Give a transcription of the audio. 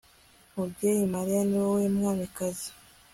mubyeyi mariya, ni wowe mwamikazi